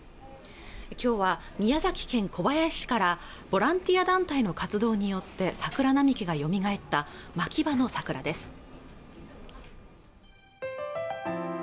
今日は宮崎県小林市からボランティア団体の活動によって桜並木がよみがえったまきばの桜です